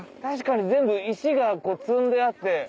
確かに全部石が積んであって。